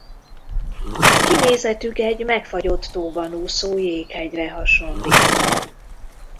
Kinézetük egy megfagyott tóban úszó jéghegyre hasonlít.